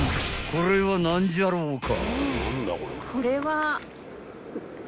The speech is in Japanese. ［これは何じゃろうか］